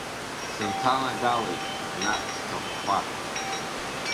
Сынҭанагалеит наҟ сҭахәхәа.